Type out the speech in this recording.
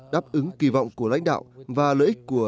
đáp ứng kỳ vọng của lãnh đạo và lợi ích của